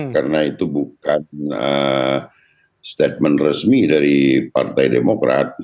karena itu bukan statement resmi dari partai demokrat